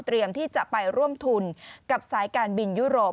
ที่จะไปร่วมทุนกับสายการบินยุโรป